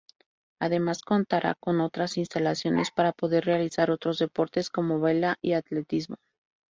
Además contará con otras instalaciones para poder realizar otros deportes, como vela y atletismo.